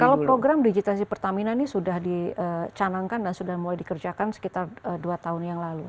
kalau program digitalisasi pertamina ini sudah dicanangkan dan sudah mulai dikerjakan sekitar dua tahun yang lalu